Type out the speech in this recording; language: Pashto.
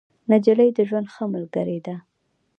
نجلۍ د ژوند ښه ملګرې ده.